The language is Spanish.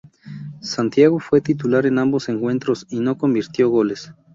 Santiago fue titular en ambos encuentros y no convirtió goles.